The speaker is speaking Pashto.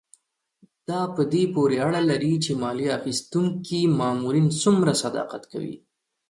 دا په دې پورې اړه لري چې مالیه اخیستونکي مامورین څومره صداقت کوي.